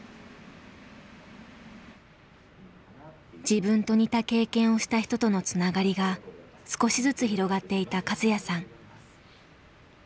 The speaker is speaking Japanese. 自分と似た経験をした人とのつながりが少しずつ広がっていたカズヤさん。